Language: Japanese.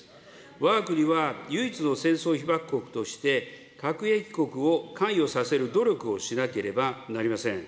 わが国は唯一の戦争被爆国として、核兵器国を関与させる努力をしなければなりません。